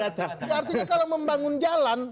artinya kalau membangun jalan